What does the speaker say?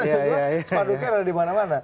sepadu ke ada di mana mana